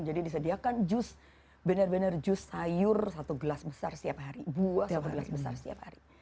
jadi disediakan jus benar benar jus sayur satu gelas besar setiap hari buah satu gelas besar setiap hari